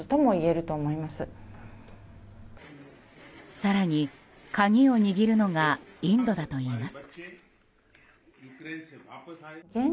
更に、鍵を握るのがインドだといいます。